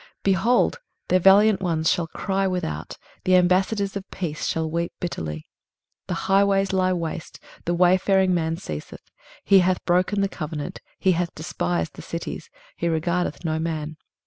23:033:007 Behold, their valiant ones shall cry without: the ambassadors of peace shall weep bitterly. 23:033:008 The highways lie waste, the wayfaring man ceaseth: he hath broken the covenant, he hath despised the cities, he regardeth no man.